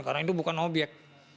karena itu bukan obyek